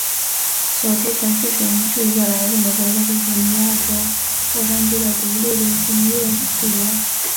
首都城市群是一个来自美国加利福尼亚州洛杉矶的独立流行乐组合。